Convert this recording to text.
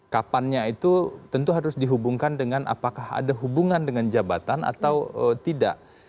kapannya itu tentu harus dihubungkan dengan apakah ada hubungan dengan jabatan atau tidak